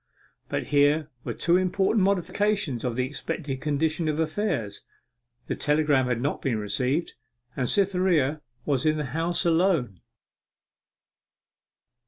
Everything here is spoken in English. But here were two important modifications of the expected condition of affairs. The telegram had not been received, and Cytherea was in the house alone.